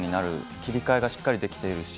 切り替えがしっかりできているし。